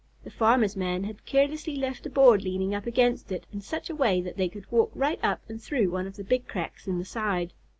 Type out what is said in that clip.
The farmer's man had carelessly left a board leaning up against it in such a way that they could walk right up and through one of the big cracks in the side.